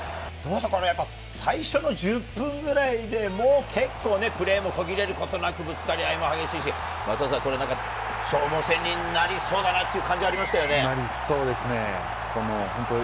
最初の１０分ぐらいで結構プレーも途切れることなく、ぶつかり合いも激しいし、消耗戦になりそうだなという感じがありましたね、松田選手。